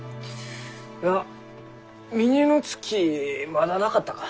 いや峰乃月まだなかったか？